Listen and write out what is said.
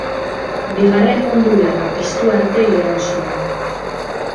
Bigarren Mundu Gerra piztu arte iraun zuen.